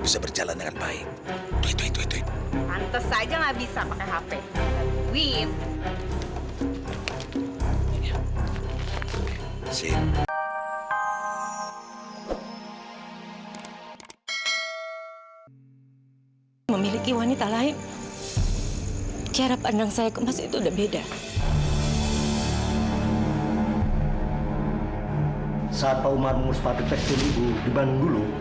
saat pak umar mengurus pak detektif ibu di bandung dulu